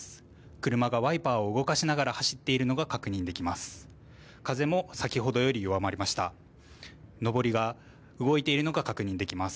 車がワイパーを動かしながら走っているのが確認できます。